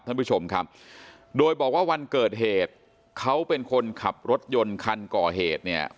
ท่านผู้ชมครับโดยบอกว่าวันเกิดเหตุเขาเป็นคนขับรถยนต์คันก่อเหตุเนี่ย